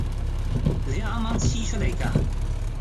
你啱啱黐出嚟㗎